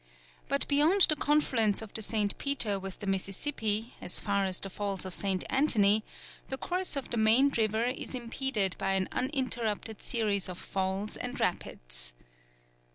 But beyond the confluence of the St. Peter with the Mississippi as far as the Falls of St. Anthony, the course of the main river is impeded by an uninterrupted series of falls and rapids.